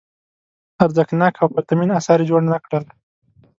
ارزښتناک او پرتمین اثار یې جوړ نه کړل.